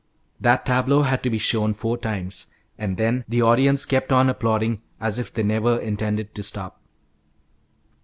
That tableau had to be shown four times, and then the audience kept on applauding as if they never intended to stop.